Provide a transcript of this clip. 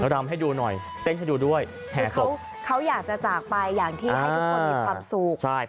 รำให้ดูหน่อยเต้นให้ดูด้วยเขาอยากจะจากไปอย่างที่ให้ทุกคนมีความสุข